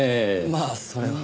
まあそれは。